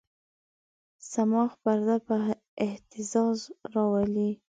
صماخ پرده په اهتزاز راولي.